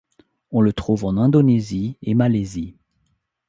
On le trouve en Indonésie et Malaisie.